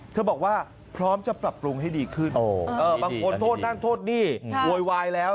บอกว่าพร้อมจะปรับปรุงให้ดีขึ้นบางคนโทษนั่นโทษนี่โวยวายแล้ว